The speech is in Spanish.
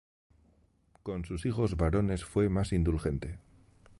Con sus hijos varones fue más indulgente.